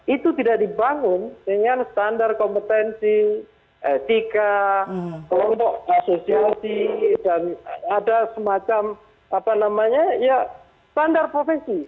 itu tidak dibangun dengan standar kompetensi etika kelompok asosiasi dan ada semacam apa namanya ya standar profesi